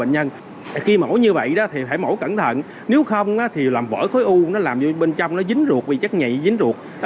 nếu không thì làm vỡ khối u làm bên trong dính ruột vì chất nhạy dính ruột